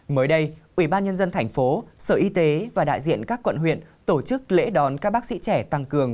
mới đây ubnd tp sở y tế và đại diện các quận huyện tổ chức lễ đón các bác sĩ trẻ tăng cường